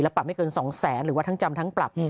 แล้วปรับไม่เกิน๒๐๐๐๐๐บาทหรือว่าทั้งจำทั้งปรับ